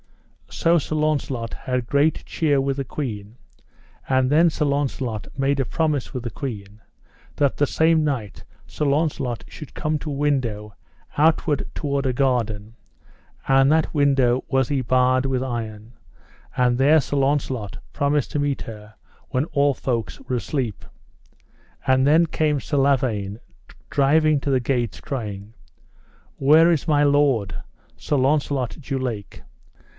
So Sir Launcelot had great cheer with the queen, and then Sir Launcelot made a promise with the queen that the same night Sir Launcelot should come to a window outward toward a garden; and that window was y barred with iron, and there Sir Launcelot promised to meet her when all folks were asleep. So then came Sir Lavaine driving to the gates, crying: Where is my lord, Sir Launcelot du Lake?